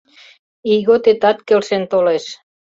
Ийготетат келшен толеш.